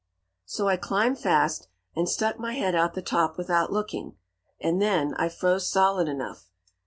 "So I climbed fast, and stuck my head out the top without looking and then I froze solid enough.